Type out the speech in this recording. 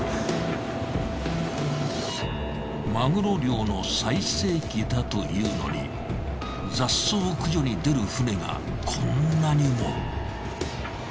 マグロ漁の最盛期だというのに雑草駆除に出る船がこんなにも。